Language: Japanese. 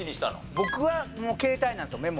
僕はもう携帯なんですよメモ。